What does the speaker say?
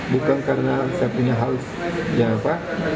bukan karena saya punya hal yang apa